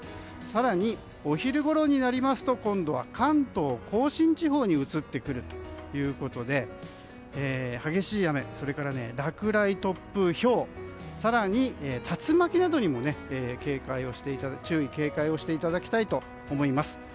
更にお昼ごろになりますと今度は関東・甲信地方に移ってくるということで激しい雨、それから落雷、突風、ひょう更に竜巻などにも注意・警戒をしていただきたいと思います。